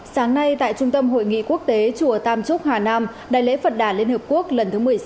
sáng nay tại trung tâm hội nghị quốc tế chùa tam trúc hà nam đại lễ phật đả liên hợp quốc lần thứ một mươi sáu